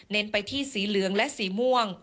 ไปที่สีเหลืองและสีม่วง